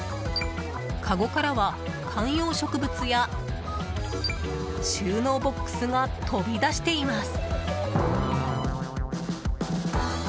かごからは、観葉植物や収納ボックスが飛び出しています。